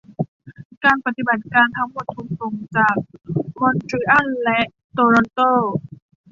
การปฏิบัติการทั้งหมดถูกส่งจาก มอนทรีอัล และ โตรอนโต